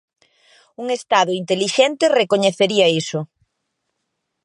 Un Estado intelixente recoñecería iso.